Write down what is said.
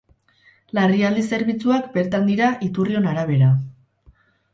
Larrialdi zerbitzuak bertan dira, iturrion arabera.